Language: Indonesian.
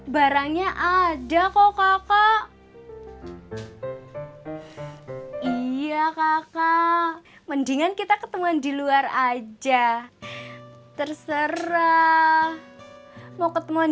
barangnya ada kok kakak iya kakak mendingan kita ketemuan di luar aja terserah mau ketemuan